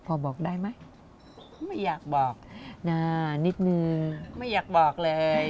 พอบอกได้ไหมไม่อยากบอกนะนิดนึงไม่อยากบอกเลย